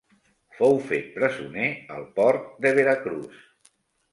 Fou fet presoner al port de Veracruz.